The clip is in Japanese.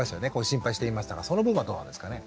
心配していましたがその分はどうなんですかね？